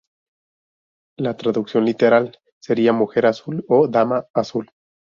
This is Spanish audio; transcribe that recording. La traducción literal sería Mujer azul o Dama azul.